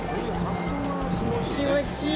気持ちいい。